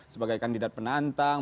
sebagai kandidat penantang